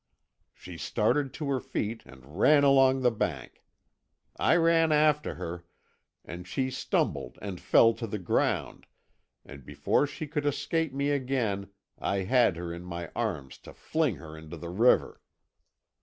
She started to her feet and ran along the bank. I ran after her, and she stumbled and fell to the ground, and before she could escape me again I had her in my arms to fling her into the river.